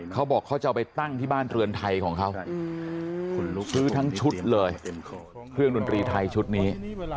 เขาบอกเขาจะเอาไปตั้งที่บ้านเรือนไทยของเขาซื้อทั้งชุดเลยเครื่องดนตรีไทยชุดนี้